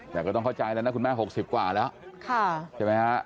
ขอโทษนะครับคุณแม่ไม่หวายจริง